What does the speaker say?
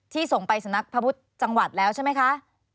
ส่งไปสำนักพระพุทธจังหวัดแล้วใช่ไหมคะ